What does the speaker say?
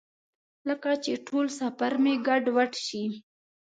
لکه چې ټول سفر مې ګډوډ شي.